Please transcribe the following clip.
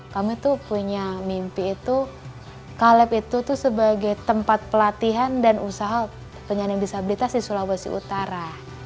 kami tuh punya mimpi itu caleb itu tuh sebagai tempat pelatihan dan usaha penyandang disabilitas di sulawesi utara